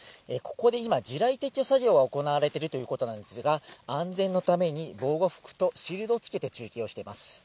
ここで今、地雷撤去作業が行われているということなんですが、安全のために、防護服とシールドを着けて中継をしています。